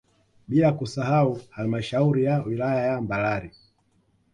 Bila kusahau halmashauri ya wilaya ya Mbarali